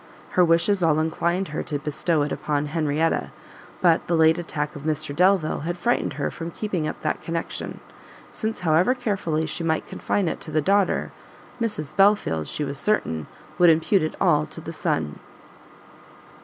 Her wishes all inclined her to bestow it upon Henrietta, but the late attack of Mr Delvile had frightened her from keeping up that connection, since however carefully she might confine it to the daughter, Mrs Belfield, she was certain, would impute it all to the son.